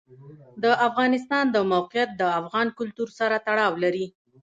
د افغانستان د موقعیت د افغان کلتور سره تړاو لري.